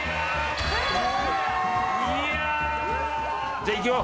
じゃいくよ。